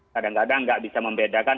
kadang kadang nggak bisa membedakan